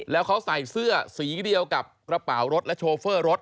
แล้วเขาใส่เสื้อสีเดียวกับกระเป๋ารถและโชเฟอร์รถ